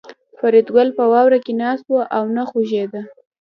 فریدګل په واوره کې ناست و او نه خوځېده